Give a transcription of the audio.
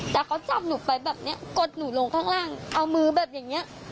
แต่เขาจับหนูไปแบบเนี้ยกดหนูลงข้างล่างเอามือแบบอย่างนี้